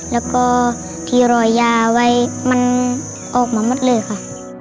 แล้วก็ที่รอยาไว้มันออกมาหมดเลยค่ะ